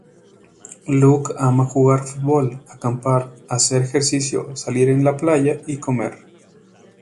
Luke ama jugar fútbol, acampar, hacer ejercicio, salir en la playa y comer.